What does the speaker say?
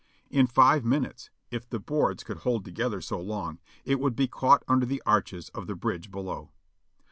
In five minutes, if the boards could hold together so long, it would be caught under the arches of the bridge below.